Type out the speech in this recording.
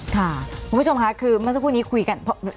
คุณผู้ชมค่ะคือเมื่อสักครู่นี้คุยกัน